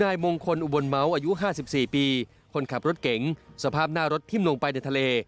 นายมงคลอุบลเมาส์อายุ๕๔ปีคนขับรถเก๋งสภาพหน้ารถทิ้มลงไปในทะเล